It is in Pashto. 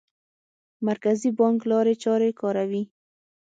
مرکزي بانک لارې چارې کاروي.